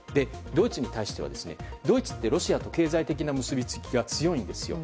ドイツに対してはドイツってロシアと経済的な結びつきが強いんです。